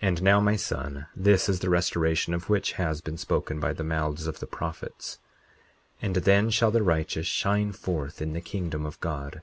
40:24 And now, my son, this is the restoration of which has been spoken by the mouths of the prophets— 40:25 And then shall the righteous shine forth in the kingdom of God.